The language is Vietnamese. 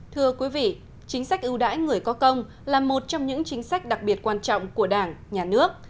thưa quý vị chính sách ưu đãi người có công là một trong những chính sách đặc biệt quan trọng của đảng nhà nước